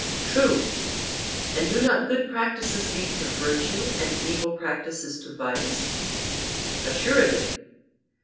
True. And do not good practices lead to virtue, and evil practices to vice? Assuredly.